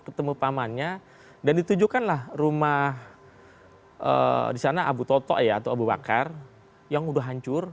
ketemu pamannya dan ditujukanlah rumah di sana abu toto ya atau abu bakar yang udah hancur